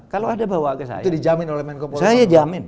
kalau ada bawa ke saya